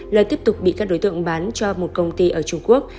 lợi tiếp tục bị các đối tượng bán cho một công ty ở trung quốc